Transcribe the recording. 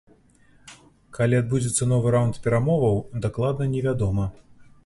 Калі адбудзецца новы раўнд перамоваў, дакладна невядома.